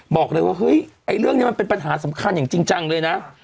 บอกเลยว่าเฮ้ยไอ้เรื่องนี้มันเป็นปัญหาสำคัญอย่างจริงจังเลยนะ